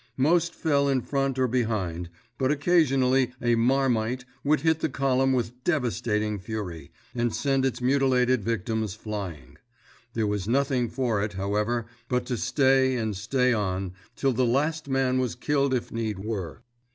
Most fell in front or behind, but occasionally a "marmite" would hit the column with devastating fury, and send its mutilated victims flying. There was nothing for it, however, but to stay and stay on, till the last man was killed if need were.